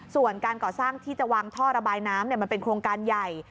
ส่วนการก่อสร้างที่จะวางท่อระบายน้ำมันเป็นโครงการใหญ่